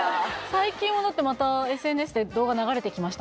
最近はだってまたＳＮＳで動画流れてきました